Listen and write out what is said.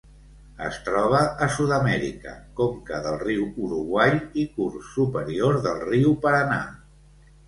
Es troba a Sud-amèrica: conca del riu Uruguai i curs superior del riu Paranà.